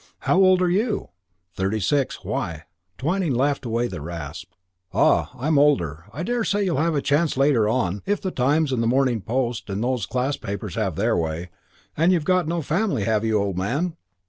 "How old are you?" "Thirty six. Why?" Twyning laughed away the rasp. "Ah, I'm older. I daresay you'll have a chance later on, if the Times and the Morning Post and those class papers have their way. And you've got no family, have you, old man?"